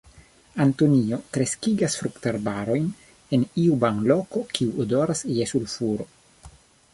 Antonio kreskigas fruktarbojn en iu banloko kiu odoras je sulfuro.